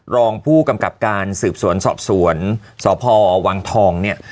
รองผู้กำกับการสืบสวนสอบสวนสพวังทองเนี่ย